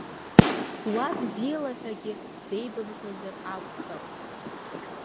Уа, бзиалаҳәагьы ҳзеибымҳәозар акәхап?